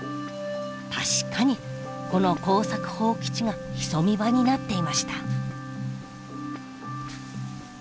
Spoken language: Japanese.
確かにこの耕作放棄地が潜み場になっていました。